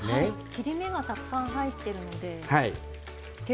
切り目がたくさん入ってるので結構揚がりやすそうですね。